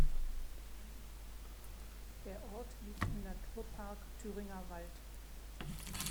Der Ort liegt im Naturpark Thüringer Wald.